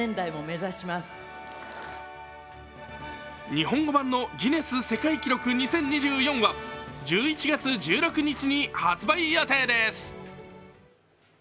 日本語版の「ギネス世界記録２０２４」は１１月１６日に発売予定です。